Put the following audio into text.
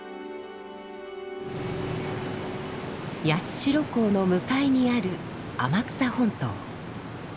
八代港の向かいにある天草本島。